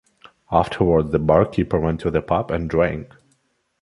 Afterwards the barkeeper went to the pub and drank.